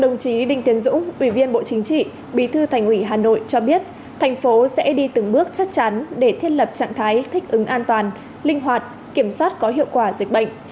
đồng chí đinh tiến dũng ủy viên bộ chính trị bí thư thành ủy hà nội cho biết thành phố sẽ đi từng bước chắc chắn để thiết lập trạng thái thích ứng an toàn linh hoạt kiểm soát có hiệu quả dịch bệnh